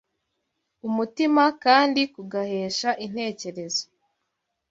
umutima kandi kugahesha intekerezo